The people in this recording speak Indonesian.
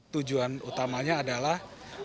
tujuan utamanya adalah